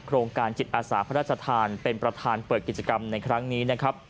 โครงการจิตอาสาพระราชทานเป็นประธานเปิดกิจกรรมในครั้งนี้นะครับ